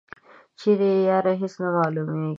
چیری یی یاره هیڅ نه معلومیږي.